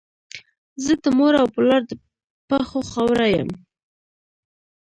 زه د مور او پلار د پښو خاوره یم.